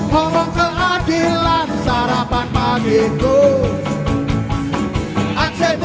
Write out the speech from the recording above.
bersintas orang susah